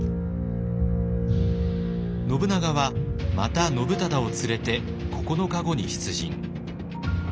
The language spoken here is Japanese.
信長はまた信忠を連れて９日後に出陣。